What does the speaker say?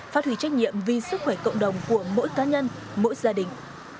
phát hủy trách nhiệm vì sức khỏe cộng đồng của mỗi cá nhân mỗi gia đình